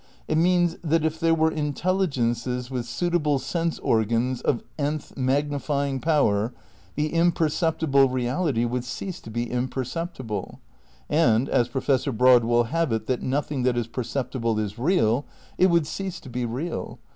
It means that if there were intelligences with suitable sense organs of nth. magni fying power the imperceptible reality would cease to be imperceptible ; and, as Professor Broad will have it that nothing that is perceptible is real, it would cease to be real.